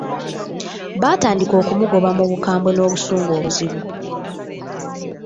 Baatandika okumugoba mu bukambwe n'obusungu obuzibu!